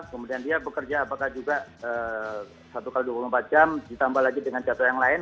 kemudian dia bekerja apakah juga satu x dua puluh empat jam ditambah lagi dengan jadwal yang lain